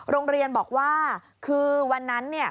โรงเรียนบอกว่าคือวันนั้น